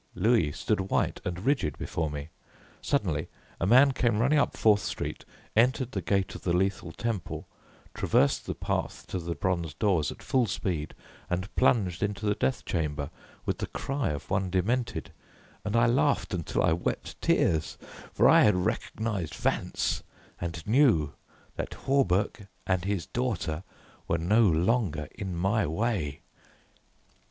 Louis stood white and rigid before me. Suddenly a man came running up Fourth Street, entered the gate of the Lethal Temple, traversed the path to the bronze doors at full speed, and plunged into the death chamber with the cry of one demented, and I laughed until I wept tears, for I had recognized Vance, and knew that Hawberk and his daughter were no longer in my way.